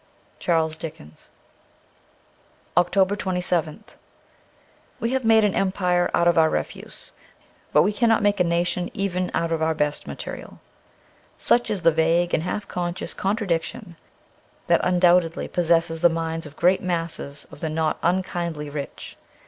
' Charles Dickens.' 332 OCTOBER 27th WE have made an empire out of our refuse ; but we cannot make a nation eren out of our best material. Such is the vague and half conscious contradiction that un doubtedly possesses the minds of great masses of the not unkindly rich.